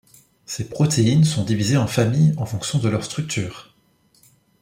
Ces protéines sont divisés en familles en fonction de leur structure.